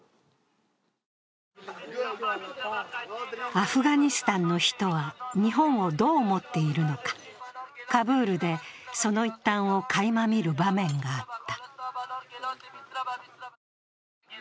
アフガニスタンの人は日本をどう思っているのかカブールでその一端をかいま見る場面があった。